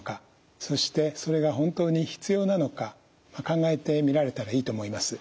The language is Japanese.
そしてそれが本当に必要なのか考えてみられたらいいと思います。